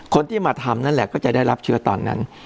คนที่มาทำนั่นแหละก็จะได้รับเชื้อตอนนั้น